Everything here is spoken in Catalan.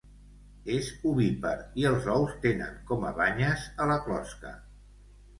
És ovípar i els ous tenen com a banyes a la closca.